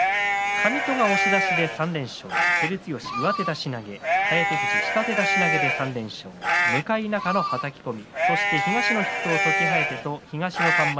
上戸、押し出し３連勝照強、上手出し投げ颯富士、下手出し投げ３連勝向中野、はたき込み。